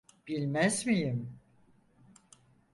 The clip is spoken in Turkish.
Bilmez miyim?